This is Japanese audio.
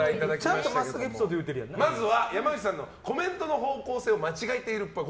ちゃんとしたエピソードまずは山内さんのコメントの方向性を間違えているっぽい。